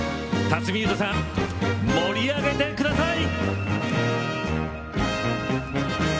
辰巳ゆうとさん盛り上げてください！